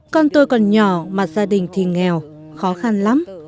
con tôi còn nhỏ mà gia đình thì nghèo khó khăn lắm